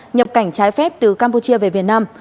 nhập cảnh trái phép từ campuchia về việt nam